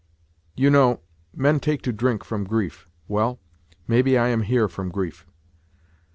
You know, men take to drink from grief; well, maybe I am here from grief.